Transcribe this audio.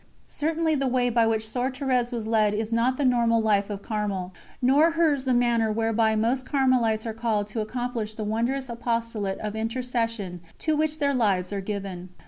Certainly the way by which Soeur Thérèse was led is not the normal life of Carmel, nor hers the manner whereby most Carmelites are called to accomplish the wondrous apostolate of intercession to which their lives are given.